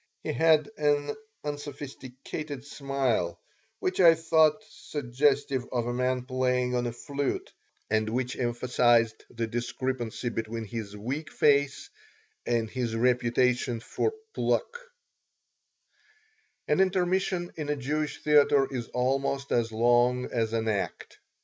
He had an unsophisticated smile, which I thought suggestive of a man playing on a flute and which emphasized the discrepancy between his weak face and his reputation for pluck An intermission in a Jewish theater is almost as long as an act.